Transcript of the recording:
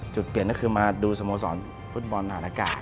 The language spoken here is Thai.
จุดเปลี่ยนก็คือมาดูสโมสรฟุตบอลฐานอากาศ